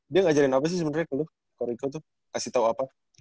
dia ngajarin apa sih sebenernya ke lu coach rico tuh kasih tau apa